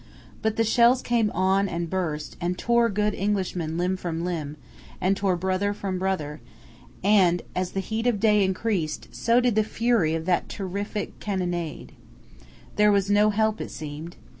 But the shells came on and burst, and tore good Englishmen limb from limb, and tore brother from brother, and as the heat of the day increased so did the fury of that terrific cannonade. There was no help, it seemed.